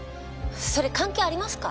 それ関係ありますか？